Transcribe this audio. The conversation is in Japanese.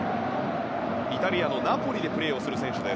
イタリアのナポリでプレーする選手。